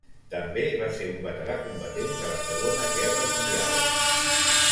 També va ser un veterà combatent de la Segona Guerra Mundial.